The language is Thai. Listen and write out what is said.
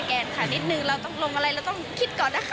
ต้องสแกนค่ะนิดหนึ่งเราต้องลงเราต้องคิดก่อนนะคะ